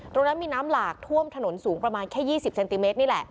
ตรงนั้นมีน้ำหลากท่วมถนนสูงประมาณแค่๒๐เซนติเมตรนี่แหละ